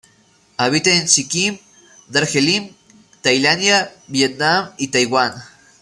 Habita en Sikkim, Darjeeling, Tailandia Vietnam y Taiwán.